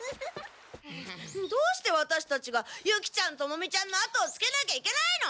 どうしてワタシたちがユキちゃんトモミちゃんの後をつけなきゃいけないの？